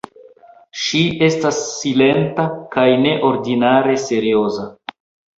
Ŝi estis silenta kaj neordinare serioza.